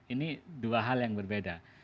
ini dua hal yang berbeda